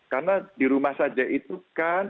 karena di rumah saja itu kan